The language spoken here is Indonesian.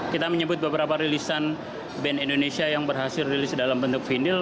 kita menyebut beberapa rilisan band indonesia yang berhasil rilis dalam bentuk vinil